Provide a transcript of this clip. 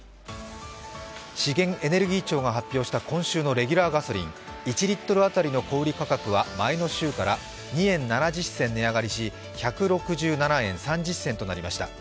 資源エネルギー庁が発表した今週のレギュラーガソリン、１リットル当たりの小売価格は前の週から２円７０銭値上がりし１６７円３０銭となりました。